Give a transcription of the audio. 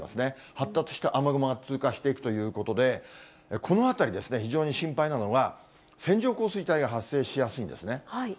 発達した雨雲が通過していくということで、この辺りですね、非常に心配なのが、線状降水帯が発生しやすいんですね。